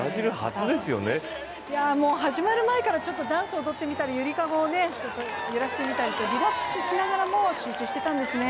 始まる前からダンス踊ってみたり揺りかごを揺らしてみたり、リラックスしながらも集中してたんですね